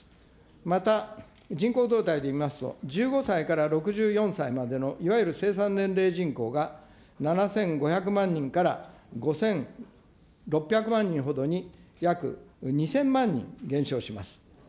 また、人口動態で見ますと、１５歳から６４歳までのいわゆる生産年齢人口が７５００万人から５６００万人ほどに、約２０００万人減少します。